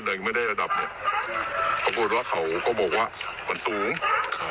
แต่ยังไม่ได้ระดับหนึ่งปรากฏว่าเขาก็บอกว่ามันสูงครับ